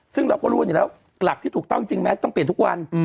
ซึ่งเราก็รู้กันอยู่แล้วหลักที่ถูกต้องจริงแมสต้องเปลี่ยนทุกวัน